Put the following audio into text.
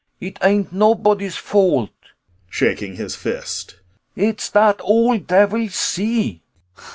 It ain't nobody's fault! [Shaking his fist.] It's dat ole davil, sea!